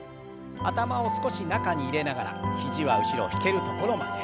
頭を少し中に入れながら肘は後ろ引けるところまで。